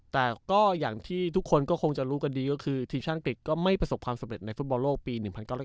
แต่ก็อย่างที่ทุกคนก็คงจะรู้กันดีก็คือทีมชาติอังกฤษก็ไม่ประสบความสำเร็จในฟุตบอลโลกปี๑๙๙